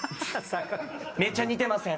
めちゃ、似てません？